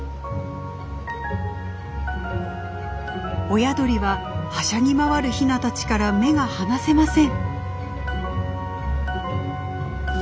親鳥ははしゃぎ回るヒナたちから目が離せません。